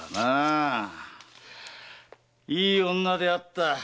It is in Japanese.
いい女であった。